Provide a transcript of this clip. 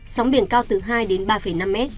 sóng biển cao từ hai ba năm m